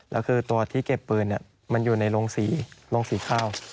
แล้วคือตัวที่เก็บปืนมันอยู่ในโรงสีโรงสีข้าว